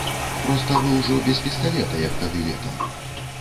Проста вы ўжо без пісталета, як тады, летам.